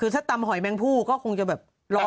สามารถพูดก็คงจะแบบ